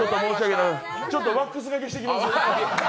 ちょっとワックスがけしてきます。